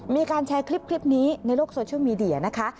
มีการแชร์คลิปนี้ในโลกโซเชียลมีเดียนะคะ